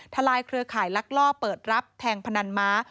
ลายเครือข่ายลักลอบเปิดรับแทงพนันม้า